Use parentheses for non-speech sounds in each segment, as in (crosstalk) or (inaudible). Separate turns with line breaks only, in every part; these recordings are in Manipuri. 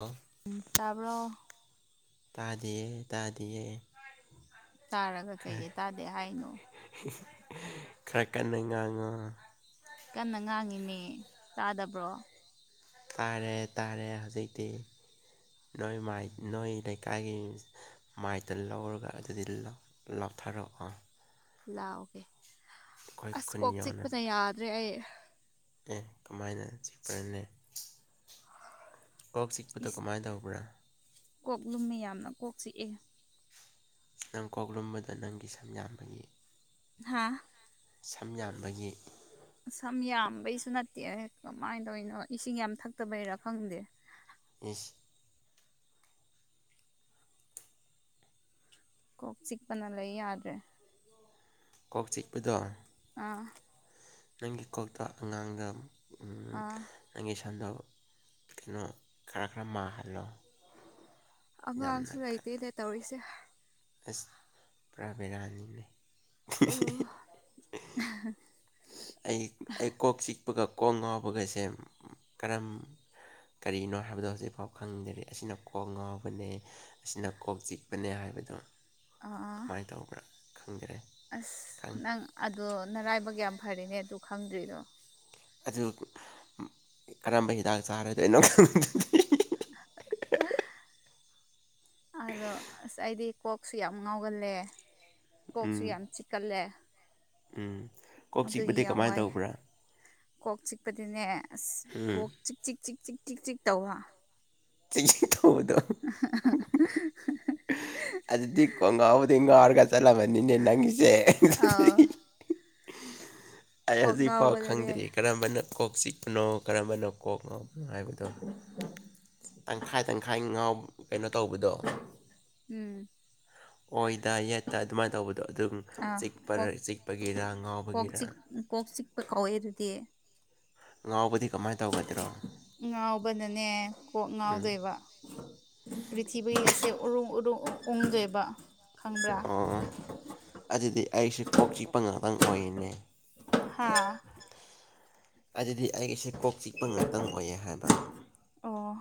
ꯑꯣ
ꯎꯝ ꯇꯥꯕꯔꯣ
ꯇꯥꯗꯤꯌꯦ ꯇꯥꯗꯤꯌꯦ
ꯇꯥꯔꯒ ꯀꯩꯒꯤ ꯇꯥꯗꯦ ꯍꯥꯏꯅꯣ
ꯍꯤ ꯍꯤ ꯈꯔ ꯀꯟꯅ ꯉꯥꯡꯉꯣ
ꯀꯟꯅ ꯉꯥꯡꯉꯤꯅꯦ ꯇꯥꯗꯕ꯭ꯔꯣ
ꯇꯥꯔꯦ ꯇꯥꯔꯦ ꯍꯧꯖꯤꯛꯇꯤ ꯅꯣꯏ ꯅꯣꯏ ꯂꯩꯀꯥꯏꯒꯤ ꯃꯥꯏꯇ ꯂꯧꯔꯒ ꯑꯗꯨꯗꯤ ꯂꯧꯞꯊꯔꯛꯑꯣ
ꯂꯥꯛꯑꯣꯒꯦ
ꯑꯩꯈꯣꯏ
ꯑꯁ
ꯈꯨꯟ
ꯀꯣꯛ
ꯌꯧꯅ
ꯆꯤꯛꯄꯅ ꯌꯥꯗ꯭ꯔꯦ ꯑꯩ
ꯑꯦ ꯀꯃꯥꯏꯅ ꯆꯤꯛꯄꯅꯅꯦ ꯀꯣꯛ ꯆꯤꯛꯄꯗꯣ
ꯏꯁ
ꯀꯃꯥꯏꯅ ꯇꯧꯕ꯭ꯔꯥ
ꯀꯣꯛ ꯂꯨꯝꯃꯤ ꯌꯥꯝꯅ ꯀꯣꯛꯁꯤ ꯑꯦ
ꯅꯪ ꯀꯣꯛ ꯂꯨꯝꯕꯗ ꯅꯪꯒꯤ ꯁꯝ ꯌꯥꯝꯟꯕꯒꯤ
ꯍꯥꯥ
ꯁꯝ ꯌꯥꯝꯕꯒꯤ
ꯁꯝ ꯌꯥꯝꯕꯩꯁꯨ ꯅꯠꯇꯦ ꯀꯃꯥꯏꯅ ꯇꯧꯔꯤꯅꯣ ꯏꯁꯤꯡ ꯌꯥꯝ ꯊꯛꯇꯕꯩꯔꯥ ꯈꯪꯗꯦ
ꯏꯁ
ꯀꯣꯛ ꯆꯤꯛꯄꯅ ꯂꯩ ꯌꯥꯗ꯭ꯔꯦ
ꯀꯣꯛ ꯆꯤꯛꯄꯗꯣ
ꯑꯥ
ꯅꯪꯒꯤ ꯀꯣꯛꯇ ꯑꯉꯥꯡꯗ ꯎꯝ
ꯑꯥ
ꯅꯪꯒꯤ ꯁꯝꯗꯣ ꯀꯩꯅꯣ ꯈꯔ ꯈꯔ ꯃꯥꯍꯜꯂꯣ
ꯑꯉꯥꯡꯁꯨ
ꯌꯥꯝꯅ ꯀꯟ
ꯂꯩꯇꯦꯗ ꯇꯧꯔꯤꯁꯦ
ꯑꯁ ꯄꯨꯔꯥ ꯕꯦꯔꯥꯅꯤꯅꯦ
ꯍꯣ ꯑꯍꯝ (inaudible)
ꯑꯩ ꯑꯩ ꯀꯣꯛ ꯆꯤꯛꯄꯒ ꯀꯣꯛ ꯉꯥꯎꯕꯒꯁꯦ ꯀꯔꯝ ꯀꯔꯤꯅꯣ ꯍꯥꯏꯕꯗꯣ ꯍꯧꯖꯤꯛꯐꯥꯎ ꯈꯪꯗꯔꯤ ꯑꯁꯤꯅ ꯀꯣꯛ ꯉꯥꯎꯕꯅꯦ ꯑꯁꯤꯅ ꯀꯣꯛ ꯆꯤꯛꯄꯅꯦ ꯍꯥꯏꯕꯗꯣ
ꯑꯥ
ꯀꯃꯥꯏꯅ ꯇꯧꯕ꯭ꯔꯥ ꯈꯪꯗꯔꯦ
ꯑꯁ ꯅꯪ ꯑꯗꯣ ꯅꯔꯥꯏꯕꯛ ꯌꯥꯝ ꯐꯔꯦꯍꯦ ꯑꯗꯨ ꯈꯪꯗ꯭ꯔꯤꯗꯣ
ꯑꯗꯨ ꯀꯔꯝꯕ ꯍꯤꯗꯥꯛ ꯆꯥꯔꯗꯣꯏꯅꯣ ꯈꯪꯗꯦ
(inaudible) ꯑꯗꯣ ꯑꯁ ꯑꯩꯗꯤ ꯀꯣꯛꯁꯨ ꯌꯥꯝ ꯉꯥꯎꯒꯜꯂꯦ ꯀꯣꯛꯁꯨ
ꯎꯝ
ꯌꯥꯝ ꯆꯤꯛꯀꯜꯂꯦ
ꯎꯝ ꯀꯣꯛ
ꯑꯗꯨꯒꯤ
ꯆꯤꯛꯄꯗꯤ
ꯌꯥꯝ
ꯀꯃꯥꯏꯅ
ꯋꯥꯏ
ꯇꯧꯕ꯭ꯔꯥ
ꯀꯣꯛ ꯆꯤꯛꯄꯗꯤꯅꯦ ꯑꯁ
ꯎꯝ
ꯀꯣꯛ ꯆꯤꯛ ꯆꯤꯛ ꯆꯤꯛ ꯆꯤꯛ ꯆꯤꯛ ꯆꯤꯛ ꯇꯧꯕ
ꯆꯤꯛ ꯆꯤꯛ ꯇꯧꯕꯗꯣ
(inaudible)
ꯑꯗꯨꯗꯤ ꯀꯣꯡꯒꯥꯎꯕꯨꯗꯤ ꯉꯥꯎꯔꯒ ꯆꯠꯂꯝꯕꯅꯤꯅꯦ ꯅꯪꯒꯤꯁꯦ
ꯑꯥ
ꯑꯩ
ꯀꯣꯛ
ꯍꯧꯖꯤꯛꯐꯥꯎ
ꯉꯥꯎꯕꯗꯅꯦ
ꯈꯪꯗ꯭ꯔꯤ ꯀꯔꯝꯕꯅ ꯀꯣꯛ ꯆꯤꯛꯄꯅꯣ ꯀꯔꯝꯕꯅ ꯀꯣꯛ ꯉꯥꯎ ꯍꯥꯏꯕꯗꯣ ꯇꯪꯈꯥꯏ ꯇꯪꯈꯥꯏ ꯉꯥꯎ ꯀꯩꯅꯣ ꯇꯧꯕꯗꯣ
ꯎꯝ
ꯑꯣꯏꯗ ꯌꯦꯠꯇ ꯑꯗꯨꯃꯥꯏꯅ ꯇꯧꯕꯗꯣ
ꯑꯥ
ꯑꯗꯨꯝꯄ ꯆꯤꯛꯄꯒꯤꯔ ꯉꯥꯎꯕꯒꯤꯔ
ꯍꯣꯢ ꯀꯣꯛꯁꯤ ꯀꯧꯋꯦ ꯑꯗꯨꯗꯤ
ꯉꯥꯎꯕꯗꯤ ꯀꯃꯥꯏꯅ ꯇꯧꯒꯗ꯭ꯔꯣ
ꯉꯥꯎꯕꯅꯅꯦ ꯀꯣꯛ
ꯎꯝ
ꯉꯥꯎꯗꯣꯏꯕ ꯄ꯭ꯔꯤꯊꯤꯕꯤꯒꯤ ꯑꯁꯦ ꯎꯔꯨꯡ ꯎꯔꯨꯡ ꯎꯪꯗꯣꯏꯕ ꯈꯪꯕ꯭ꯔꯥ
ꯑꯣ ꯑꯗꯨꯗꯤ ꯑꯩꯁꯦ ꯀꯣꯛ ꯆꯤꯛꯄ ꯉꯥꯛꯇꯪ ꯑꯣꯏꯅꯦ
ꯍꯥꯥ
ꯑꯗꯨꯗꯤ ꯑꯩꯒꯤꯁꯦ ꯀꯣꯛ ꯆꯤꯛꯄ ꯉꯥꯛꯇꯪ ꯑꯣꯏꯌꯦ ꯍꯥꯏꯕ
ꯑꯣ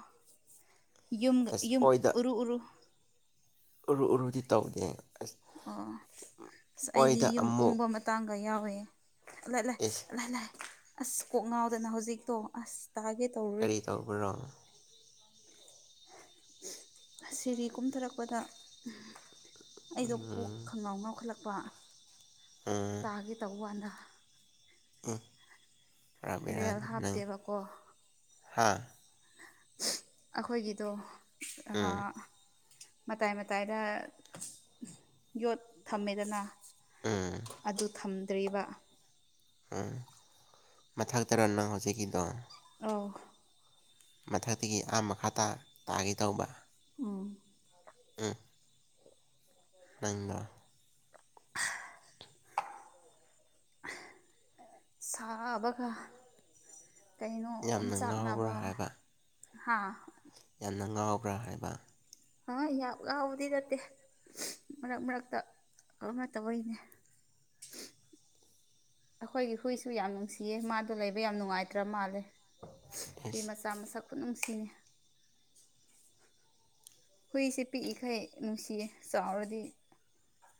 ꯌꯨꯝ
ꯑꯁ
ꯌꯨꯝ
ꯑꯣꯏꯗ
ꯎꯔꯨ ꯎꯔꯨ
ꯎꯔꯨ ꯎꯔꯨꯗꯤ ꯇꯧꯗꯦ ꯑꯁ
ꯑꯣ ꯑꯁ ꯑꯩꯗꯤ
ꯑꯣꯏꯗ
ꯌꯨꯝ
ꯑꯃꯨꯛ
ꯎꯪꯕ ꯃꯇꯥꯡꯒ ꯌꯥꯎꯋꯦ ꯂꯥꯏ ꯂꯥꯏ
ꯏꯁ
ꯂꯥꯏ ꯂꯥꯏ ꯑꯁ ꯀꯣꯛ ꯉꯥꯎꯗꯅ ꯍꯧꯖꯤꯛꯇꯣ ꯑꯁ ꯇꯥꯒꯦ ꯇꯧꯔꯨꯔꯦ
ꯀꯔꯤ ꯇꯧꯕꯔꯣ
ꯁꯤꯔꯤ ꯀꯨꯝꯊꯔꯛꯄꯗ ꯑꯩꯗꯣ ꯀꯣꯛ ꯈꯪꯒꯥꯎ ꯉꯥꯎꯈꯠꯂꯛ ꯄ‌
ꯎꯝ
ꯇꯥꯒꯦ ꯇꯧ ꯋꯥꯟꯗ
ꯎꯝ
ꯔꯦꯜ
ꯄꯨꯔꯥꯕꯤꯔꯥꯅꯤ ꯅꯪ
ꯍꯥꯞꯇꯦꯕꯀꯣ
ꯍꯥꯥ
ꯑꯩꯈꯣꯏꯒꯤꯗꯣ
ꯎꯝ
ꯃꯇꯥꯏ ꯃꯇꯥꯏꯗ ꯌꯣꯠ ꯊꯝꯃꯦꯗꯅ
ꯎꯝ
ꯑꯗꯨ ꯊꯝꯗ꯭ꯔꯤꯕ
ꯎꯝ ꯃꯊꯛ ꯇꯔꯥꯅꯪ ꯍꯧꯖꯤꯛꯀꯤꯗꯣ
ꯑꯧ
ꯃꯊꯛꯇꯒꯤ ꯑꯥꯝ ꯃꯈꯥ ꯇꯥ ꯇꯥꯒꯦ ꯇꯧꯕ
ꯎꯝ
ꯎ ꯑꯪꯃ
ꯁꯥꯕꯒ ꯀꯩꯅꯣ ꯑꯣꯝ
ꯌꯥꯝꯅ
ꯆꯥꯛꯅꯕ
ꯉꯥꯎꯕ꯭ꯔꯥ ꯍꯥꯏꯕ
ꯍꯥ
ꯌꯥꯝꯅ ꯉꯥꯎꯕ꯭ꯔꯥ ꯍꯥꯏꯕ
ꯑ ꯌꯥꯝ ꯂꯥꯎꯕꯗꯤ ꯅꯠꯇꯦ ꯃꯔꯛ ꯃꯔꯛꯇ ꯀꯝꯅ ꯇꯧꯧꯕꯩꯅꯦ ꯑꯩꯈꯣꯏꯒꯤ ꯍꯨꯏꯁꯨ ꯌꯥꯝ ꯅꯨꯡꯁꯤꯌꯦ ꯃꯥꯗꯣ ꯂꯩꯕ ꯌꯥꯝ ꯅꯨꯡꯉꯥꯏꯇ꯭ꯔ ꯃꯥꯜꯂꯦ ꯑꯩ
ꯑꯦꯁ
ꯃꯆꯥ ꯃꯁꯛꯄ ꯅꯨꯡꯁꯤꯅꯤ ꯍꯨꯏꯁꯦ ꯄꯤꯛꯏꯈꯩ ꯅꯨꯡꯁꯤꯌꯦ ꯆꯥꯎꯔꯗꯤ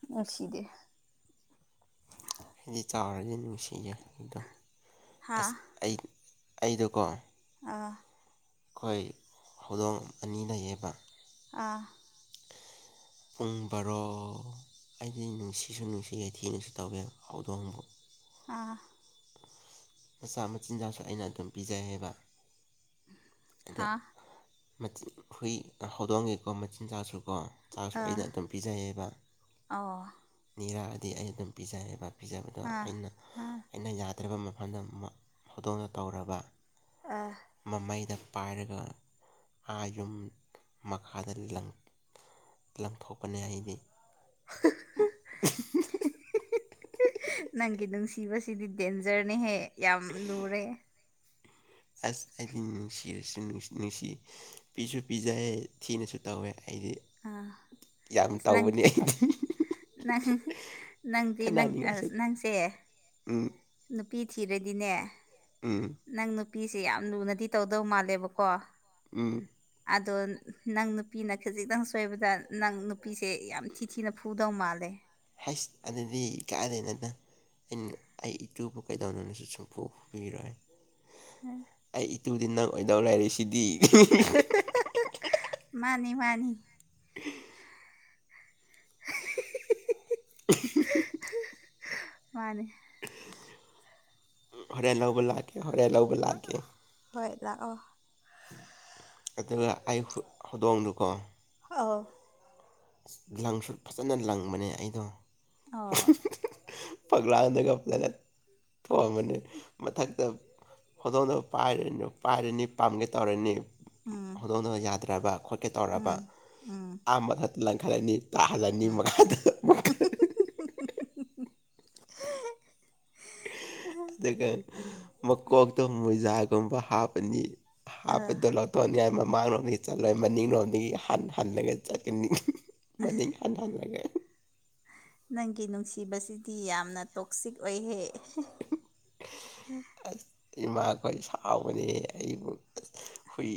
ꯅꯨꯡꯁꯤꯗꯦ
ꯍꯥꯏꯗꯤ ꯆꯥꯎꯔꯗꯤ ꯅꯨꯡꯁꯤꯌꯦꯦ ꯑꯗꯨꯗꯣ
ꯍꯥ
ꯑꯁ ꯑꯩ ꯑꯩꯗꯣꯀꯣ
ꯑꯥ
ꯑꯩꯈꯣꯏ ꯍꯧꯗꯣꯡ ꯑꯅꯤ ꯂꯩꯌꯦꯕ
ꯑꯥ
ꯄꯨꯡ ꯕꯥꯔꯣ ꯑꯩꯗꯤ ꯅꯨꯡꯁꯤꯁꯨ ꯅꯨꯡꯁꯤ ꯌꯥꯊꯦꯡꯅꯁꯨ ꯇꯧꯋꯦ ꯍꯧꯗꯣꯡꯕ
ꯑꯥ
ꯃꯆꯥ ꯃꯆꯤꯟꯖꯥꯛꯁꯨ ꯑꯩꯅ ꯑꯗꯨꯝ ꯄꯤꯖꯩ ꯍꯥꯏꯕ
ꯍꯥꯥ
ꯆꯤꯟ ꯍꯨꯏ ꯍꯧꯗꯣꯡꯉꯦꯀꯣ ꯃꯆꯤꯟꯖꯥꯛꯁꯨ ꯀꯣ ꯆꯥꯛꯁꯨ
ꯑꯥ
ꯑꯩꯅ ꯑꯗꯨꯝ ꯄꯤꯖꯩꯌꯦꯕ
ꯑꯣ
ꯅꯤꯔꯥꯗꯤ ꯑꯩ ꯑꯗꯨꯝ ꯄꯤꯖꯩꯑꯕ ꯄꯤꯖꯕꯗꯣ
ꯑꯥ
ꯑꯩꯅ
ꯑꯥ
ꯑꯩꯅ ꯌꯥꯗ꯭ꯔꯔꯤꯕ ꯃꯐꯝꯗ ꯍꯧꯗꯣꯡꯅ ꯇꯧꯔꯕ
ꯑꯥ
ꯃꯃꯩꯗ ꯄꯥꯏꯔꯒ ꯑꯥ ꯌꯨꯝ ꯃꯈꯥꯗ‌ ꯂꯪ ꯂꯪꯊꯣꯛꯄꯅꯦ ꯑꯩꯗꯤ
ꯅꯪꯒꯤ ꯅꯨꯡꯁꯤꯕꯁꯤꯗꯤ ꯗꯦꯟꯖꯔꯅꯦꯍꯦ ꯌꯥꯝ ꯂꯨꯔꯦ
ꯑꯁ ꯑꯩꯗꯤ ꯅꯨꯡꯁꯤꯔꯁꯨ ꯅꯨꯡꯁꯤ ꯄꯤꯁꯨ ꯄꯤꯖꯩ ꯊꯤꯅꯁꯨ ꯇꯧꯋꯦ ꯑꯩꯗꯤ
ꯑꯥ
ꯌꯥꯝ
ꯑꯁ
ꯇꯧꯕꯅꯤ
ꯅꯪꯒꯤ
ꯑꯩꯗꯤ
ꯅꯪ ꯅꯪꯗꯤ ꯅꯪ ꯑ
ꯈꯠꯅꯅꯤꯡꯉꯥꯏꯁꯨ
ꯅꯪꯁꯦ
ꯎꯝ
ꯅꯨꯄꯤ ꯊꯤꯔꯗꯤꯅꯦ
ꯎꯝ
ꯅꯪ ꯅꯨꯄꯤꯁꯦ ꯌꯥꯝ ꯂꯨꯅꯗꯤ ꯇꯧꯗꯧ ꯃꯥꯜꯂꯦꯕꯀꯣ
ꯎ
ꯑꯗꯣ ꯅꯪ ꯅꯨꯄꯤꯅ ꯈꯤꯖꯤꯛꯇꯪ ꯁꯣꯏꯕꯗ ꯅꯪ ꯅꯨꯄꯤꯁꯦ ꯌꯥꯝ ꯊꯤ ꯊꯤꯅ ꯐꯨꯗꯧ ꯃꯥꯜꯂꯦ
ꯍꯁ ꯑꯗꯨꯗꯤ ꯀꯥꯏꯗꯩ ꯅ‌ꯣꯗ ꯑꯩꯅ ꯑꯩ ꯏꯇꯨꯕꯨ ꯀꯩꯗꯧꯅꯣꯅꯁꯨ ꯁꯨꯡꯐꯨ ꯐꯨꯕꯤꯔꯣꯏ
ꯎꯝ
ꯑꯩ ꯏꯇꯨꯗꯤ ꯅꯪ ꯑꯣꯏꯗꯧ ꯂꯩꯔꯤꯁꯤꯗꯤ
ꯃꯥꯅꯤ ꯃꯥꯅꯤ ꯃꯥꯅꯦ
ꯍꯔꯦꯜ ꯂꯧꯕ ꯂꯥꯛꯀꯦ ꯍꯔꯦꯜꯂꯧꯕ
ꯍ ꯍꯣꯏ ꯂꯥꯛ ꯑꯣ
ꯑꯗꯨꯒ ꯑꯩ ꯍꯧꯗꯣꯡꯗꯨꯀꯣ
ꯑꯣ
ꯂꯪꯁꯨ ꯐꯖꯅ ꯂꯪꯕꯅꯦ ꯑꯩꯗꯣ
ꯑꯣ
ꯄꯛꯂꯥꯡꯗꯒ ꯐꯖꯅ ꯊꯣꯝꯃꯗꯤ ꯃꯊꯛꯇ ꯍꯧꯗꯣꯡꯗꯣ ꯄꯥꯏꯔ ꯄꯥꯏꯔꯅꯤ ꯄꯥꯝꯒꯦ ꯇꯧꯔꯅꯤ
ꯎꯝ
ꯇꯧꯗꯣꯡꯅ ꯌꯥꯗ꯭ꯔꯕ ꯈꯣꯠꯀꯦ ꯇꯧꯔꯕ
ꯎꯝ ꯎꯝ
ꯑꯥ ꯃꯊꯛꯇ ꯂꯪꯈꯠꯂꯅꯤ ꯇꯥꯍꯜꯂꯅꯤ
ꯎꯝ
ꯃꯈꯥꯗ ꯑꯗꯨꯒ ꯃꯀꯣꯛꯇꯣ ꯃꯣꯖꯥꯒꯨꯝꯕ ꯍꯥꯞꯄꯅꯤ
ꯑ
ꯍꯥꯞꯄꯗꯣ ꯂꯧꯊꯣꯛꯅꯤꯉꯏ ꯃꯃꯥꯡꯂꯣꯝꯗꯒꯤ ꯆꯠꯂꯣꯏ ꯃꯅꯤꯡꯂꯣꯝꯗꯒꯤ ꯍꯟ ꯍꯜꯂꯒ ꯆꯠꯀꯅꯤ ꯃꯅꯤ ꯈꯥꯟꯅꯅ ꯂꯒꯦ
ꯅꯪꯒꯤ ꯅꯨꯡꯁꯤꯕꯁꯤꯗꯤ ꯌꯥꯝꯅ ꯇꯣꯛꯁꯤꯛ ꯑꯣꯏꯍꯦ
ꯑꯁ ꯏꯃꯥꯈꯣꯏ ꯁꯥꯎꯕꯅꯦ ꯑꯩꯕꯨ ꯑꯁ ꯍꯨꯏ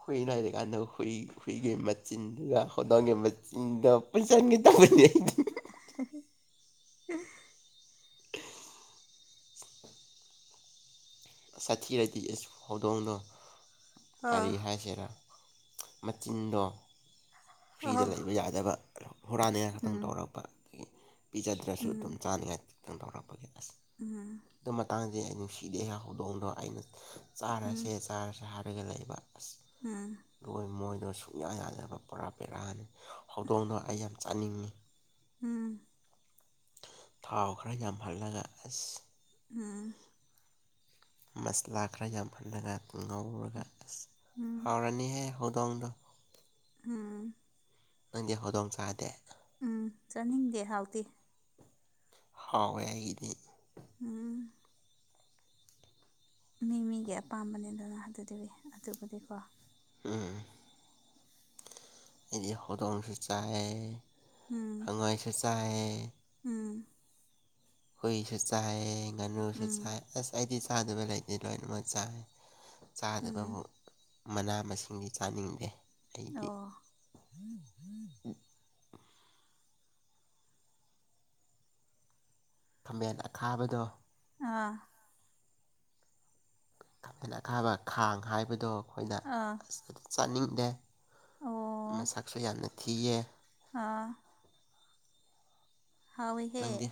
ꯍꯨꯏ ꯂꯩꯔꯤ ꯀꯥꯟꯗ ꯍꯨꯏ ꯍꯨꯏꯒꯤ ꯃꯆꯤꯟꯗꯨꯗ ꯍꯧꯗꯣꯡꯒꯤ ꯃꯆꯤꯟꯗꯨ ꯄꯨꯁꯟꯈꯤ ꯇꯧꯕꯅꯤ ꯑꯩꯗꯤ
(unintelligible)
ꯁꯥꯊꯤꯔꯗꯤ ꯏꯁ ꯍꯧꯗꯣꯡꯗꯣ
ꯑꯥ
ꯀꯔꯤ ꯍꯥꯏꯁꯤꯔꯥ ꯃꯆꯤꯟꯗꯣ ꯐ꯭ꯔꯤꯗ
ꯑꯥ
ꯂꯩꯕ ꯌꯥꯗꯕ ꯍꯨꯔꯥꯅꯤꯡꯉꯥꯏ ꯈꯛꯇꯪ
ꯎꯝ
ꯇꯧꯔꯛꯄ ꯑꯗꯒꯤ ꯄꯤꯖꯗ꯭ꯔꯁꯨ ꯑꯗꯨꯝ
ꯎꯝ
ꯆꯥꯅꯤꯡꯉꯥꯏ ꯈꯤꯇꯪ ꯇꯧꯔꯛꯄꯒꯤ ꯑꯁ
ꯎꯝ
ꯑꯗꯨ ꯃꯇꯥꯡꯗꯤ ꯑꯩ ꯅꯨꯡꯁꯤꯗ ꯑꯩꯒꯤ ꯍꯧꯗꯣꯡꯗꯣ ꯑꯩꯅ ꯆꯥꯔꯁꯦ
ꯎꯝ
ꯆꯥꯔꯖ ꯍꯥꯏꯔꯒ ꯂꯩꯕ ꯑ
ꯎꯝ
ꯂꯣꯏ ꯃꯣꯏꯗꯣ ꯁꯨꯡꯛꯌꯥ ꯌꯥꯗꯕ ꯄꯨꯔꯥ ꯄꯦꯔꯥꯅꯤ ꯍꯧꯗꯣꯡꯗꯣ ꯑꯩ ꯌꯥꯝ ꯆꯥꯅꯤꯡꯉꯤ
ꯎꯝ
ꯊꯥꯎ ꯈꯔ ꯌꯥꯝꯍꯜꯂꯒ ꯑꯁ
ꯑꯝ
ꯃꯁꯂꯥ ꯈꯔ ꯌꯥꯝ ꯍꯜꯂꯒ ꯉꯧꯔꯒ ꯑꯁ
ꯎꯝ
ꯍꯥꯎꯔꯅꯤꯍꯦ ꯍꯧꯗꯣꯡꯗꯣ ꯑꯃꯗ
ꯎꯝ
ꯅꯪꯗꯤ ꯍꯧꯗꯣꯡꯆꯥꯥꯗꯦ
ꯎꯝ ꯆꯥꯅꯤꯡꯗꯦ ꯍꯥꯎꯇꯤ
ꯍꯧꯋꯦ ꯑꯩꯒꯤꯗꯤ
ꯎꯝ ꯃꯤ ꯃꯤꯒꯤ ꯑꯄꯥꯝꯕꯅꯤ ꯑꯗꯨꯅ ꯑꯗꯨꯗꯤ ꯑꯗꯨꯕꯨꯗꯤꯀꯣ
ꯎꯝ ꯍꯥꯏꯗꯤ ꯍꯧꯗꯣꯡꯁꯨ ꯆꯥꯏ
ꯎꯝ
ꯍꯪꯉꯣꯏꯁꯨ ꯆꯥꯏ
ꯎꯝ
ꯍꯨꯏꯁꯨ ꯆꯥꯏ ꯉꯥꯅꯨꯁꯨ
ꯎꯝ
ꯆꯥꯏ ꯑꯁ ꯑꯩꯗꯤ ꯆꯥꯗꯕ ꯂꯩꯇꯦ ꯂꯣꯏꯅꯃꯛ ꯆꯥꯏ ꯆꯥꯗꯕꯕꯨ
ꯎꯝ
ꯃꯅꯥ ꯃꯁꯤꯡꯗꯤ ꯆꯥꯅꯤꯡꯗꯦ ꯑꯩꯗꯤ
ꯑꯣ
ꯈꯃꯦꯟ ꯑꯈꯥꯕꯗꯣ
ꯑꯥ
ꯈꯃꯦꯟ ꯑꯈꯥꯕ ꯈꯥꯡ ꯍꯥꯏꯕꯗꯣ ꯑꯩꯈꯣꯏꯅ
ꯑꯥ
ꯆꯥꯅꯤꯡꯗꯦ
ꯑꯣ
ꯃꯁꯛꯁꯨ ꯌꯥꯝꯅ ꯊꯤꯌꯦ
ꯑꯥ
ꯅꯪꯗꯤ
ꯍꯥꯎꯋꯤꯍꯦ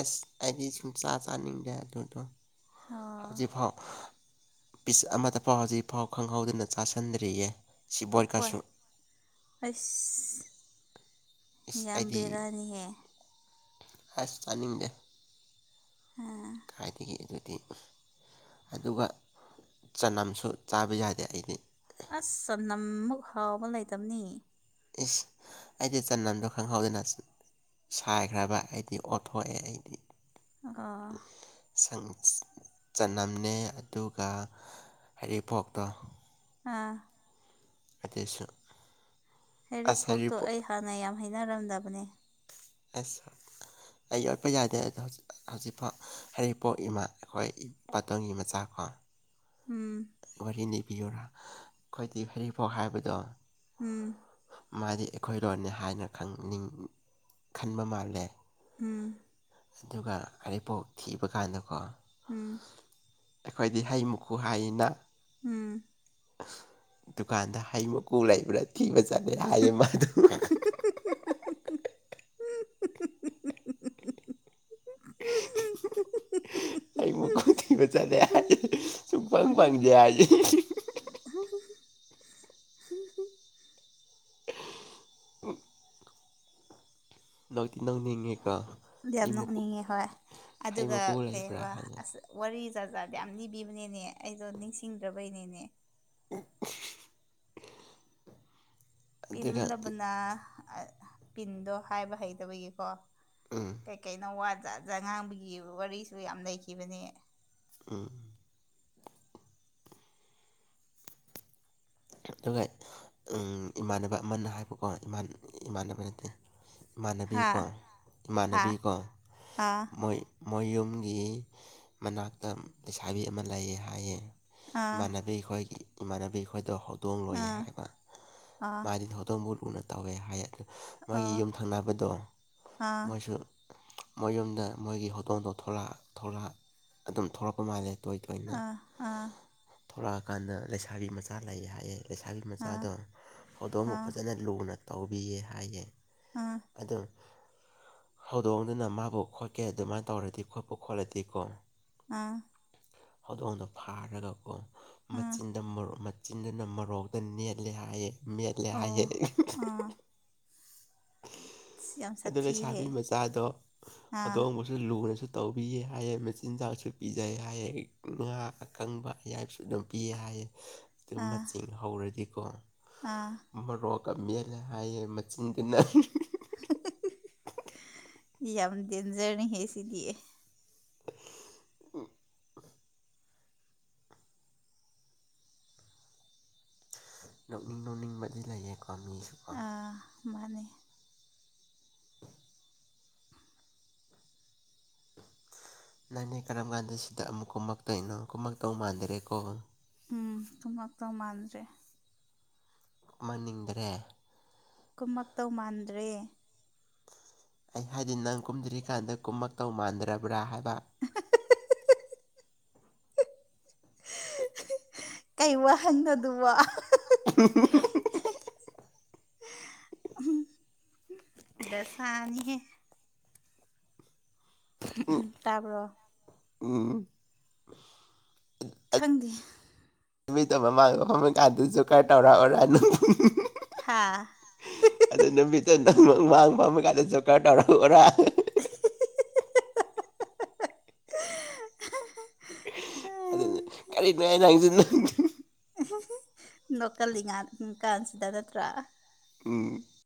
ꯑꯁ ꯑꯩꯗꯤ ꯁꯨꯝ ꯆꯥ ꯆꯥꯅꯤꯡꯗꯦ ꯑꯗꯨꯗꯣ
ꯑꯣ
ꯍꯧꯖꯤꯛꯐꯥꯎ ꯄꯤꯁ ꯑꯃꯗ ꯐꯥꯎ ꯍꯧꯖꯤꯛꯐꯥꯎ ꯈꯪꯍꯧꯗꯅ ꯆꯥꯁꯟꯗ꯭ꯔꯤꯌꯦ
ꯎꯄꯣꯏ
ꯁꯤꯕꯣꯠꯀꯁꯨ
ꯑꯁ
ꯏꯁ ꯑꯩꯗꯤ ꯑꯁ ꯆꯥꯅꯤꯡꯗꯦ
ꯑ
ꯀꯥꯏꯗꯒꯤ ꯑꯗꯨꯗꯤ ꯑꯗꯨꯒ ꯆꯅꯝꯁꯨ ꯆꯥꯕ ꯌꯥꯗꯦ ꯑꯩꯗꯤ
ꯑꯁ ꯆꯅꯝ ꯃꯨꯛ ꯍꯥꯎꯕ ꯂꯩꯇꯕꯅꯤ
ꯏꯁ ꯑꯩꯗꯤ ꯆꯅꯝꯗꯣ ꯈꯪꯍꯧꯗꯅ ꯁꯥꯏꯈ꯭ꯔꯕ ꯑꯩꯗꯤ ꯑꯣꯟꯊꯣꯛꯑꯦ ꯑꯩꯗꯤ
ꯑꯣ
ꯁꯪ ꯆꯅꯝꯅꯦ ꯑꯗꯨꯒ ꯍꯔꯤꯄꯣꯛꯇꯣ
ꯑꯥ
ꯑꯇꯩꯁꯨ
ꯍꯦꯔꯤꯐꯣꯞꯇꯣ ꯑꯩ ꯍꯥꯟꯅ ꯌꯥꯝ ꯍꯩꯅꯔꯝꯗꯕꯅꯦ
ꯑꯁ ꯑꯩ ꯌꯠꯄ ꯌꯥꯗꯦ ꯑꯗꯣ ꯍꯧꯖꯤꯛꯐꯥꯎ ꯍꯥꯏꯔꯤꯄꯣꯛ ꯏꯃꯥ ꯑꯩꯈꯣꯏ ꯄꯇꯣꯟꯒꯤ ꯃꯆꯥꯀꯣ
ꯎꯝ
ꯋꯥꯔꯤ ꯂꯤꯅꯤꯕꯤꯌꯨꯔꯥ ꯑꯩꯈꯣꯏꯗꯤ ꯐꯔꯤꯐꯥꯎ ꯍꯥꯏꯕꯗꯣ
ꯎꯝ
ꯃꯥꯗꯤ ꯑꯩꯈꯣꯏꯔꯣꯟꯅꯤ ꯍꯥꯏꯅ ꯈꯅꯤꯡ ꯈꯟꯕ ꯃꯥꯜꯂꯦ
ꯎꯝ
ꯑꯗꯨꯒ ꯍꯔꯤꯄꯣꯛ ꯊꯤꯕ ꯀꯥꯟꯗꯀꯣ
ꯎꯝ
ꯑꯩꯈꯣꯏꯗꯤ ꯍꯩ ꯃꯨꯈꯨ ꯍꯥꯏꯅ
ꯎꯝ
ꯗꯨꯀꯥꯟꯗ ꯍꯩ ꯃꯀꯨ ꯂꯩꯕ꯭ꯔꯥ ꯊꯤꯕ ꯆꯠꯂꯦ ꯍꯥꯏꯌꯦ ꯃꯥꯗꯨ (inaudible) ꯑꯩ ꯃꯀꯨ ꯊꯤꯕ ꯆꯗꯦ ꯍꯥꯏ ꯁꯨꯐꯪ ꯐꯪꯗꯦ ꯍꯥꯏ
(inaudible)
ꯅꯣꯛꯇꯤ ꯅꯣꯛꯅꯤꯡꯉꯦꯀꯣ
ꯌꯥꯝ
ꯍꯩ ꯃꯀꯨ
ꯅꯣꯛꯅꯤꯡꯉꯦ ꯍꯣꯏ
ꯍꯩ
ꯑꯗꯨꯒ
ꯃꯀꯨ ꯂꯩꯕ꯭ꯔꯥ
ꯀꯩꯕ
ꯍꯪꯉꯦ
ꯑꯁ ꯋꯥꯔꯤꯖꯥ ꯖꯥꯠ ꯌꯥꯝ ꯂꯤꯅꯤꯕꯤꯕꯅꯦꯅꯦ ꯑꯩꯗꯣ ꯅꯤꯡꯁꯤꯡꯗ꯭ꯔꯕꯩꯅꯦꯅꯦ
ꯎ (unintelligible) ꯑꯗꯨꯒ
ꯄꯤꯟꯗꯕꯅ ꯄꯤꯟꯗꯣ ꯍꯥꯏꯕ ꯍꯩꯇꯕꯒꯤꯀꯣ
ꯎꯝ
ꯀꯩꯀꯩꯅꯣ ꯋꯥꯖ ꯉꯥꯡꯕꯒꯤ ꯋꯥꯔꯤꯁꯨ ꯌꯥꯝ ꯂꯩꯈꯤꯕꯅꯦ
ꯎꯝ ꯑꯗꯨꯒ ꯏꯃꯥꯟꯅꯕ ꯑꯃꯅ ꯍꯥꯏꯕꯀꯣ ꯏꯃꯥꯟꯅꯕ ꯅꯠꯇꯦ ꯏꯃꯥꯟꯅꯕꯤꯀꯣ ꯏꯃꯥꯟꯅꯕꯤꯀꯣ ꯃꯣꯏ ꯃꯣꯏ ꯌꯨꯝꯒꯤ ꯃꯅꯥꯛꯇ ꯂꯩꯁꯥꯕꯤ ꯑꯃ ꯂꯩꯌꯦ ꯍꯥꯏꯌꯦ ꯏꯃꯥꯟꯕꯤꯈꯣꯏꯒꯤ ꯏꯃꯥꯟꯕꯤ ꯈꯣꯏꯗꯣ ꯍꯧꯗꯣꯡ ꯂꯣꯏꯌꯦ ꯍꯥꯏꯕ ꯃꯥꯗꯤ ꯍꯧꯧꯗꯣꯡꯕꯨ ꯂꯨꯅ ꯇꯧꯋꯦ ꯍꯥꯏꯠꯂ ꯃꯣꯏꯒꯤ ꯌꯨꯝꯊꯪꯅꯕꯗꯣ ꯃꯣꯏꯁꯨ ꯃꯣꯏ ꯌꯨꯝꯗ ꯃꯣꯏꯒꯤ ꯍꯣꯇꯣꯟꯗꯣ ꯊꯣꯔꯥ ꯊꯧꯔꯥ ꯑꯗꯨꯝ ꯊꯣꯔꯛꯄ ꯃꯥꯜꯂꯦ ꯇ ꯇꯣꯏ ꯇꯣꯏꯅ ꯊꯂꯛꯑꯀꯥꯟꯗ ꯂꯩꯁꯥꯕꯤ ꯃꯆꯥ ꯂꯩ ꯍꯥꯏꯑꯦ ꯂꯩꯁꯥꯕꯤ ꯃꯆꯥꯗꯣ ꯍꯧꯗꯣꯡꯝꯕꯨ ꯐꯖꯅ ꯂꯨꯅ ꯇꯧꯕꯤꯌꯦ ꯍꯥꯏꯌꯦ
ꯍꯥꯥ (unintelligible)
ꯑꯣ (unintelligible) ꯍꯧꯗꯣꯡꯗꯨꯅ ꯃꯥꯕꯨ ꯈꯣꯠꯀꯦ ꯑꯗꯨꯃꯥꯏꯅ ꯇꯧꯔꯗꯤ ꯈꯣꯠꯄꯨ ꯈꯣꯠꯂꯗꯤꯀꯣ
ꯑꯥ
ꯍꯧꯗꯣꯡꯗꯣ ꯐꯥꯔꯒꯀꯣ ꯃꯆꯤꯟꯗ ꯆꯤꯟꯗꯨꯅ ꯃꯣꯔꯣꯛꯇ ꯅꯦꯠꯂꯦ ꯍꯥꯏꯑꯦ ꯃꯦꯠꯂꯦ ꯍꯥꯏꯍꯦ ꯑꯗꯨ ꯂꯩꯁꯥꯥꯕꯤ ꯃꯆꯥꯗꯣ ꯍꯧꯗꯣꯡ ꯂꯨꯅꯁꯨ ꯇꯧꯕꯤꯌꯦ ꯍꯥꯏꯌꯦ ꯃꯆꯤꯟꯖꯥꯛꯁꯨ ꯄꯤꯖꯩ ꯍꯥꯏꯌꯦ ꯉꯥ ꯑꯀꯪꯕ ꯑꯌꯥꯏꯕꯁꯨ ꯑꯗꯨꯝ ꯄꯤ ꯌꯥꯌꯦ ꯑꯗꯨꯝ ꯃꯆ ꯍꯧꯔꯗꯤꯀꯣ ꯃꯣꯔꯣꯛꯀ ꯃꯂꯦ ꯍꯥꯏꯌꯦꯦ ꯃꯆꯤꯟꯒꯤꯅ
ꯑ ꯌꯥꯝ ꯗꯦꯟꯖꯔꯅꯤꯍꯦ ꯁꯤꯗꯤꯌꯦ
ꯎ ꯅꯣꯛꯅꯤꯡ ꯅꯧꯅꯤꯡꯕꯗꯤ ꯂꯩꯌꯦꯀꯣ ꯃꯤꯁꯨ
ꯑ ꯃꯥꯅꯦ
ꯅꯅꯦ ꯀꯔꯝ ꯀꯥꯟꯗ ꯁꯤꯗ ꯑꯃꯨꯛ ꯀꯨꯝꯃꯛꯇꯣꯏꯅꯣ ꯀꯨꯝꯃꯛꯇꯧ ꯃꯥꯟꯗꯔꯦꯀꯣ
ꯎꯝ ꯊꯨꯝꯂꯛꯇꯧ ꯃꯥꯟꯗ꯭ꯔꯦ
ꯃꯅꯤꯡꯗ꯭ꯔꯦ
ꯀꯨꯝꯃꯛꯇꯧ ꯃꯥꯟꯗ꯭ꯔꯦ
ꯑꯩ ꯍꯥꯏꯗꯤ ꯅꯪ ꯀꯨꯝꯗ꯭ꯔꯤꯀꯥꯟꯗ ꯀꯨꯝꯃꯛꯇꯧ ꯃꯥꯟꯗ꯭ꯔꯕ꯭ꯔꯥ ꯍꯥꯏꯕ
ꯀꯩ ꯋꯥꯍꯟꯅꯣ ꯗꯨꯕꯨ
ꯎ (unintelligible)
ꯎꯝ ꯗꯁꯥꯅꯤꯍꯦ
ꯎꯝ
ꯇꯥꯕ꯭ꯔꯣ
ꯎꯝ
ꯈꯪꯗꯦ
ꯏꯕꯩꯗ ꯃꯃꯥꯡ ꯃꯃꯩ ꯀꯥꯟꯗꯨꯁꯨ ꯀꯔ ꯇꯧꯔꯛꯑꯣꯔꯥꯅꯨ
ꯍꯥꯥ
ꯑꯗꯨ ꯅꯨꯃꯤꯠꯇꯣ ꯅꯪꯪ ꯃꯥꯡꯕꯝ ꯀꯥꯟꯗ ꯖꯣꯀꯔ ꯇꯧꯔ ꯑꯣꯔꯥ
(unintelligible)
ꯑꯗꯨꯅ ꯀꯔꯤꯅꯣ ꯍꯥꯏꯩꯅ ꯍꯪꯁꯤꯪ
ꯅꯣꯀꯜꯂꯤꯉꯥ ꯀꯥꯟꯁꯤꯗ ꯅꯠꯇ꯭ꯔꯥ
ꯎꯝ